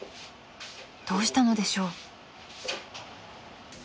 ［どうしたのでしょう？］